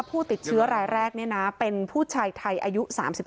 ผู้ติดเชื้อรายแรกเป็นผู้ชายไทยอายุ๓๓